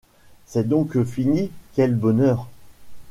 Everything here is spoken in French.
C’est donc fini, quel bonheur !